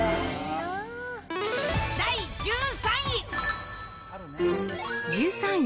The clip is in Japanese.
第１３位。